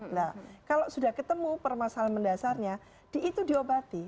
nah kalau sudah ketemu permasalahan mendasarnya itu diobati